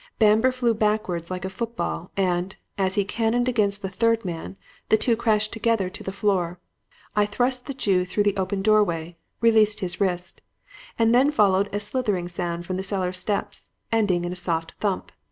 Bamber flew backwards like a football, and, as he cannoned against the third man, the two crashed together to the floor. I thrust the Jew through the open doorway, released his wrist; and then followed a slithering sound from the cellar steps, ending in a soft thump.